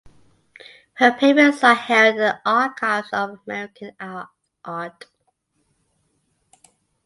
Her papers are held in the Archives of American Art.